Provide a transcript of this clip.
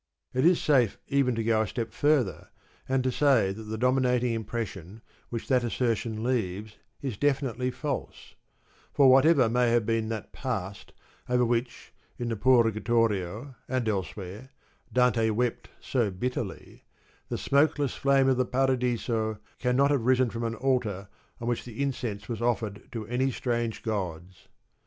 It is safe even to go a step furth er and to say that the dominating impression which that assertion leaves is definitely false ; for whatever may have been that past over which, in the Purgatorio and elsewhere, Dante wept so bitterly, the smokeless flame of the Paradiso cannot have risen from an altar on which incense was offered to any strange gods.